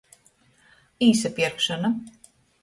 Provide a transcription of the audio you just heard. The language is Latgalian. Īsapierkšona.